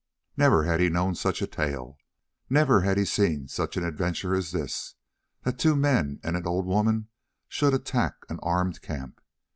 Never had he known such a tale, never had he seen such an adventure as this—that two men and an old woman should attack an armed camp.